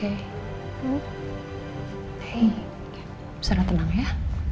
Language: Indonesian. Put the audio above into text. hei misalnya tenang ya